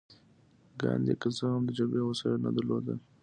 ګاندي که څه هم د جګړې وسايل نه درلودل.